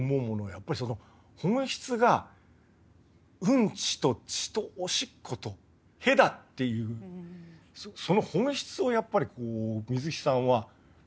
やっぱりその本質がうんちと血とおしっこと屁だっていうその本質をやっぱり水木さんは。